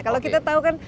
kalau kita tahu kan